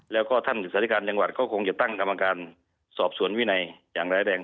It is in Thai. แล้วก็ท่านสาธิการจังหวัดก็คงจะตั้งกรรมการสอบสวนวินัยอย่างร้ายแรง